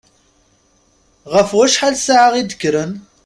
Ɣef wacḥal ssaɛa i d-kkren?